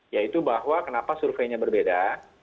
yaitu bahwa kenapa surveinya berbeda